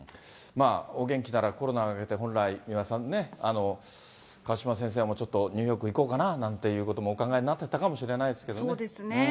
お元気ならコロナが明けて、本来、三輪さんね、川嶋先生もちょっと、ニューヨークに行こうかなということもお考えになってたかも分かそうですね。